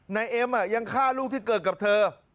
นายเอ็มยังฆ่าลูกที่เกิดกับเธอ